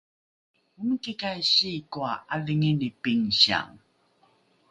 omikikai sikoa ’adhingini pingsiang?